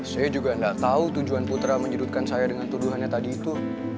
saya juga nggak tahu tujuan putra menjudutkan saya dengan tuduhannya tadi itu